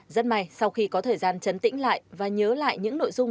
rất may sau khi có thời gian chấn tĩnh lại và nhớ lại những nội dung